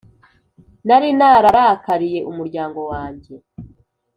nari nararakariye umuryango wanjye,